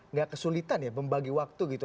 nggak kesulitan ya membagi waktu gitu